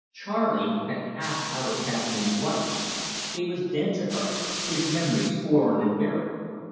Charley had passed out of Kathleen's life he was dead to her, his memory scorned and buried.